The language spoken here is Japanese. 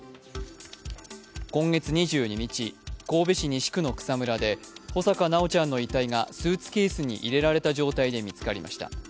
今月２２日、神戸市西区の草むらで穂坂修ちゃんの遺体がスーツケースに入れられた状態で見つかりました。